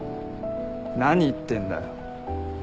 何言ってんだよ。